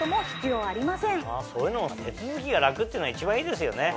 手続きが楽っていうのが一番いいですよね。